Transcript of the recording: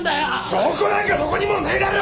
証拠なんかどこにもねえだろ！